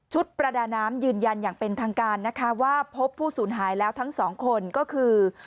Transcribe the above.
ประดาน้ำยืนยันอย่างเป็นทางการนะคะว่าพบผู้สูญหายแล้วทั้งสองคนก็คือ